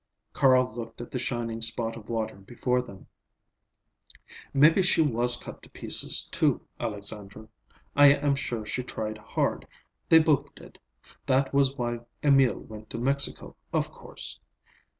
Carl looked at the shining spot of water before them. "Maybe she was cut to pieces, too, Alexandra. I am sure she tried hard; they both did. That was why Emil went to Mexico, of course.